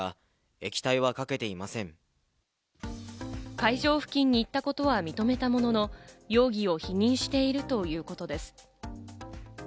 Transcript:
会場付近に行ったことは認めたものの、容疑を否認しているということです。